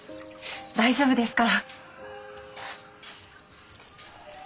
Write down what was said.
大丈夫ですから。